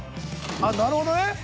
あっなるほどね。